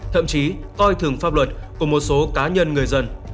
thậm chí coi thường pháp luật của một số cá nhân người dân